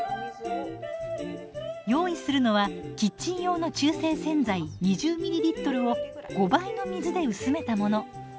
用意するのはキッチン用の中性洗剤２０ｍｌを５倍の水で薄めたもの。